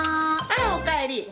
あらおかえり。